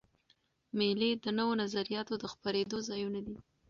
مېلې د نوو نظریاتو د خپرېدو ځایونه دي.